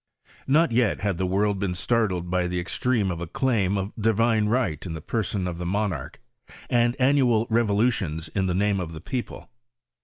Not yet had the world been startled bj the extremes of a claim of divine right in the ])ora<>n of the monarch, and annual revolutions in the name of the people.